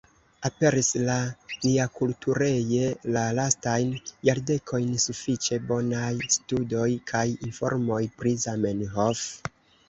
Aperis ja niakultureje la lastajn jardekojn sufiĉe bonaj studoj kaj informoj pri Zamenhof.